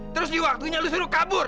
terus di waktunya lu suruh kabur